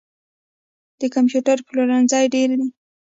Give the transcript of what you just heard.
د کمپیوټر پلورنځي ډیر دي